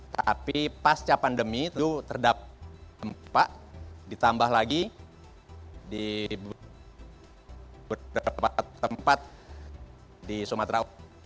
tapi pasca pandemi terdapat tempat ditambah lagi di sumatera